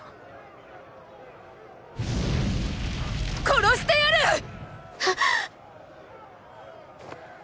殺してやるッ！